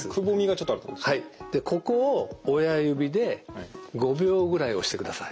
でここを親指で５秒ぐらい押してください。